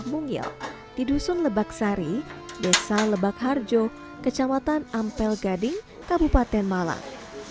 mungil di dusun lebak sari desa lebak harjo kecamatan ampel gading kabupaten malang